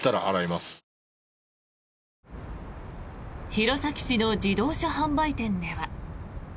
弘前市の自動車販売店では。